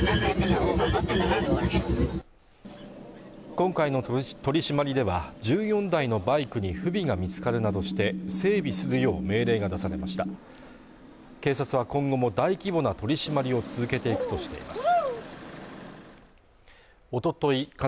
今回の取締りでは１４台のバイクに不備が見つかるなどして整備するよう命令が出されました警察は今後も大規模な取締りを続けていくとしています